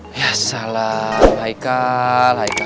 hai ya salam baik alaika